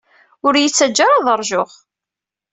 Ur iyi-ttaǧǧat ara ad ṛjuɣ!